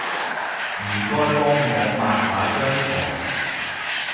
唔該幫我抹下張枱